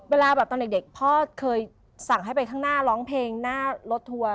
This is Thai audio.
เวลาแบบตอนเด็กพ่อเคยสั่งให้ไปข้างหน้าร้องเพลงหน้ารถทัวร์